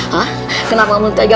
hah kenapa kamu tega